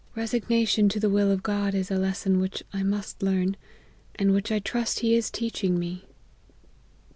Resignation to the will of God is a lesson which I must learn, and which I trust he is teach ing me."